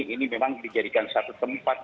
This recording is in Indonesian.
ini memang dijadikan satu tempat